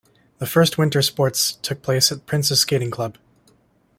The first winter sports took place at Prince's Skating Club.